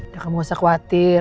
kamu nggak usah khawatir